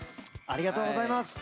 ありがとうございます。